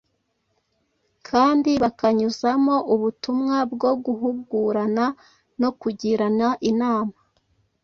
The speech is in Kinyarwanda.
kandi bakanyuzamo ubutumwa bwo guhugurana no kugirana inama.